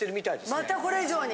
またこれ以上に！？